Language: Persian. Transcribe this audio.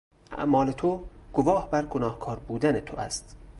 اعمال تو گواه بر گناهکار بودن تو است.